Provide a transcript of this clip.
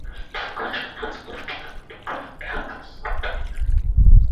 The squadron was moved to Santa Cruz Air Force Base.